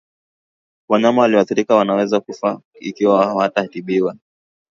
Wanyama walioathirika wanaweza kufa ikiwa hawatatibiwa